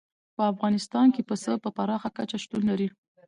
په افغانستان کې پسه په پراخه کچه شتون لري.